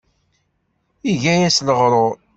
Iga-yas leɣrur.